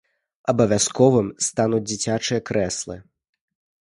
Абавязковым стануць дзіцячыя крэслы.